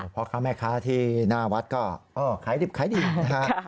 พ่อค้าแม่ค้าที่หน้าวัดก็ขายดิบขายดีนะฮะ